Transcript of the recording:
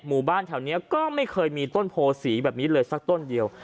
หมู่บ้านแถวนี้ก็ไม่เคยมีต้นโพสีแบบนี้เลยสักต้นเดียว